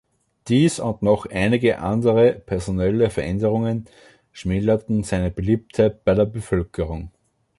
Dies und noch einige andere personelle Veränderungen schmälerten seine Beliebtheit bei der Bevölkerung.